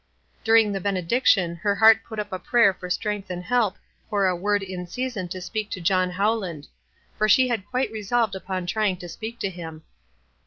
During the benediction her heart put up a prayer for strength and help, for a " word in season " to speak to John Howland ; 184 WISE AND OTHERWISE. 185 for she had quite resolved upon trying to speak to him.